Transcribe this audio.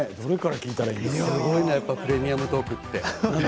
すごいな「プレミアムトーク」って。